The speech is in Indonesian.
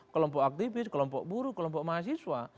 kelompok aktivis kelompok buruh kelompok mahasiswa